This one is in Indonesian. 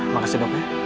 makasih dok ya